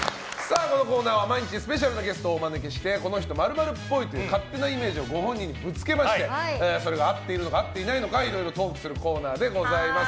このコーナーは毎日スペシャルなゲストをお招きしてこの人、○○っぽいという勝手なイメージをご本人にぶつけまして合っているのか合っていないのかいろいろトークするコーナーでございます。